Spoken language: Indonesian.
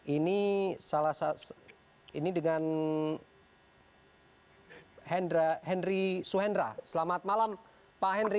ini dengan henry suhendra selamat malam pak henry